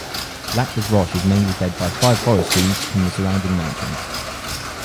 Lac des Roches is mainly fed by five forest streams from the surrounding mountains.